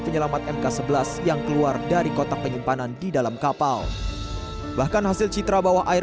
penyelamat mk sebelas yang keluar dari kotak penyimpanan di dalam kapal bahkan hasil citra bawah air